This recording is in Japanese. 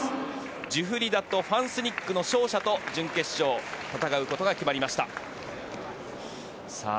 ジュフリダとファン・スニックの勝者と準決勝戦うことが決まりました。